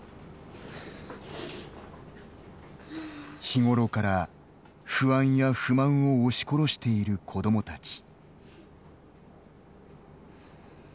日頃から不安や不満を押し殺している子どもたち。